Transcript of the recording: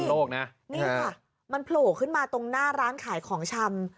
โลกนะนี่ค่ะมันโผล่ขึ้นมาตรงหน้าร้านขายของชำ